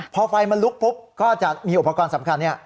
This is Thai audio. พอไฟมันลุกปุ๊บก็จะมีอุปกรณ์สำคัญเนี่ย